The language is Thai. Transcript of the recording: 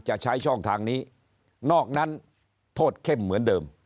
จะใช้ช่องทางนี้นอกนั้นโทษเข้มเหมือนเดิม